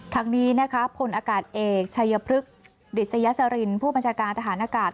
ทางนี้นะคะพลอากาศเอกชัยพฤกษ์ดิษยสรินผู้บัญชาการทหารอากาศ